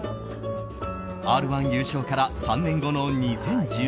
「Ｒ‐１」優勝から３年後の２０１７年。